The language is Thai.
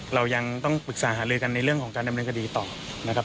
เรายังต้องปรึกษาหาลือกันในเรื่องของการดำเนินคดีต่อนะครับ